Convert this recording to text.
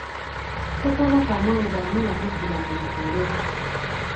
Ssekabaka Mwanga ani yamuddira mu bigere?